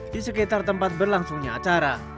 di sekitar tempat berlangsungnya acara